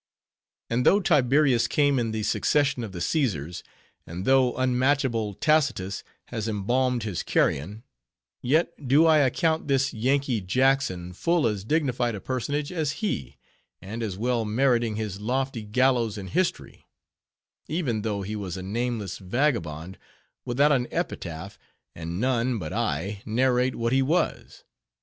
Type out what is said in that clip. And though Tiberius came in the succession of the Caesars, and though unmatchable Tacitus has embalmed his carrion, yet do I account this Yankee Jackson full as dignified a personage as he, and as well meriting his lofty gallows in history; even though he was a nameless vagabond without an epitaph, and none, but I, narrate what he was.